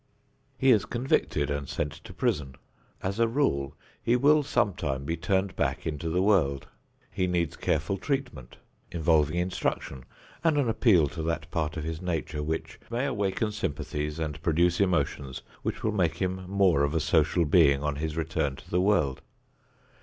He is convicted and sent to prison. As a rule, he will some time be turned back into the world. He needs careful treatment, involving instruction and an appeal to that part of his nature which may awaken sympathies and produce emotions that will make him more of a social being on his return to the world.